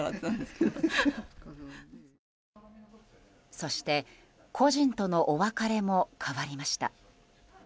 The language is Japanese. そして、故人とのお別れも変わりました。